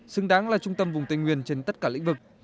xứng đáng là trung tâm vùng tây nguyên trên tất cả lĩnh vực